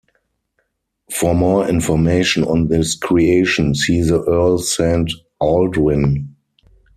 For more information on this creation, see the Earl Saint Aldwyn.